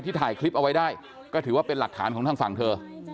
ถ่ายคลิปเอาไว้ได้ก็ถือว่าเป็นหลักฐานของทางฝั่งเธอ